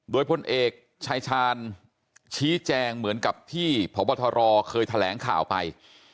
โดยพลเอกชายชาญชี้แจงเหมือนกับที่พบทรเคยแถลงข่าวไป